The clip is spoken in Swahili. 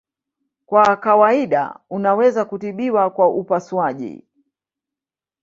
Kwa kawaida unaweza kutibiwa kwa upasuaji.